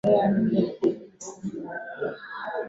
wanaharakati hao wa upinzani walikamatwa nchini cuba